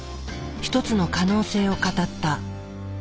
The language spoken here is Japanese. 一つの可能性を語った。